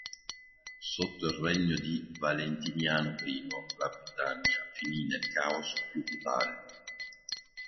Sotto il regno di Valentiniano I la Britannia finì nel caos più totale.